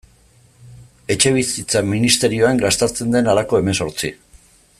Etxebizitza ministerioan gastatzen den halako hemezortzi.